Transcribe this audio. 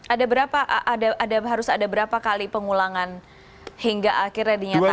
ada berapa harus ada berapa kali pengulangan hingga akhirnya dinyatakan